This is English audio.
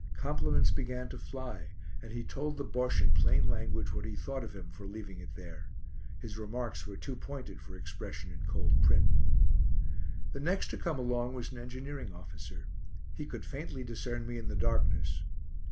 Compliments began to fly, and he told the Bosche in plain language what he thought of him for leaving it there. His remarks were too pointed for expression in cold print. The next to come along was an engineering officer. He could faintly discern me in the darkness.